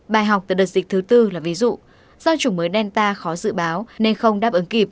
bài học từ đợt dịch thứ tư là ví dụ do chủng mới nelta khó dự báo nên không đáp ứng kịp